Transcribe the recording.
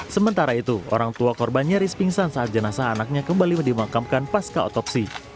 sementara itu orang tua korban nyaris pingsan saat jenazah anaknya kembali dimakamkan pasca otopsi